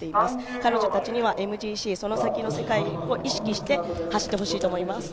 彼女たちにはＭＧＣ、その先の世界を意識して走ってほしいと思います。